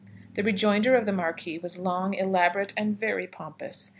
The rejoinder of the Marquis was long, elaborate, and very pompous.